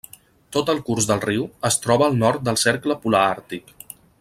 Tot el curs del riu es troba al nord del Cercle Polar Àrtic.